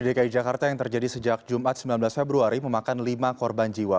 dki jakarta yang terjadi sejak jumat sembilan belas februari memakan lima korban jiwa